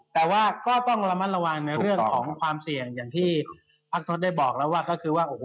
แต่ว่าก็ต้องระมัดระวังในเรื่องของความเสี่ยงอย่างที่พักทศได้บอกแล้วว่าก็คือว่าโอ้โห